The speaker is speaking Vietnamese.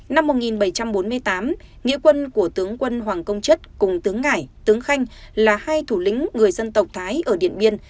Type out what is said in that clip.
năm một nghìn bảy trăm bốn mươi tám nghĩa quân của tướng quân hoàng công chất cùng tướng ngải tướng khanh là hai thủ lĩnh người dân tộc thái ở điện biên